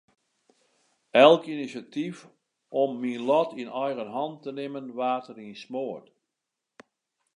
Elk inisjatyf om myn lot yn eigen hannen te nimmen waard deryn smoard.